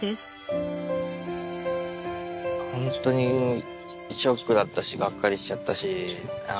本当にショックだったしがっかりしちゃったしあ